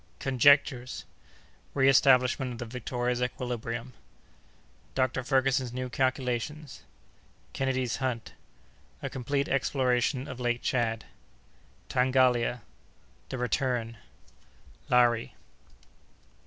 Conjectures.—Reestablishment of the Victoria's Equilibrium.—Dr. Ferguson's New Calculations.—Kennedy's Hunt.—A Complete Exploration of Lake Tchad.—Tangalia.—The Return.—Lari.